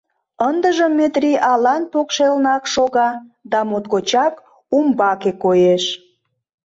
Ындыжым Метрий алан покшелнак шога, да моткочак умбаке коеш.